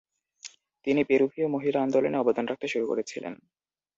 তিনি পেরুভীয় মহিলা আন্দোলনে অবদান রাখতে শুরু করেছিলেন।